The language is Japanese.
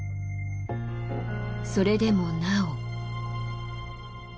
それでもなお。